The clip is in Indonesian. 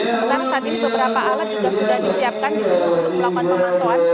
sementara saat ini beberapa alat juga sudah disiapkan di sini untuk melakukan pemantauan